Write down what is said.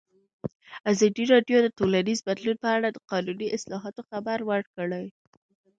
ازادي راډیو د ټولنیز بدلون په اړه د قانوني اصلاحاتو خبر ورکړی.